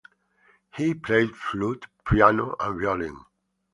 He played flute, piano, and violin.